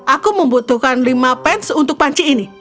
aku membutuhkan lima pence untuk panci ini